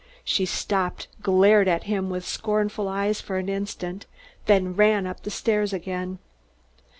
She stopped, glared at him with scornful eyes for an instant, then ran up the stairs again.